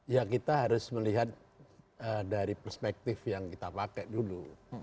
ya kita harus melihat dari perspektif yang kita pakai dulu